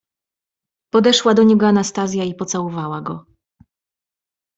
"Podeszła do niego Anastazja i pocałowała go."